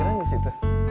parkiran di situ